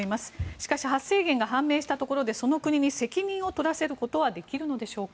しかし、発生源が判明したところでその国に責任を取らせることはできるのでしょうか？